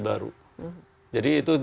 baru jadi itu